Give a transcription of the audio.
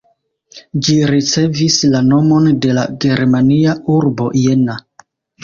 Ĝi ricevis la nomon de la germania urbo Jena.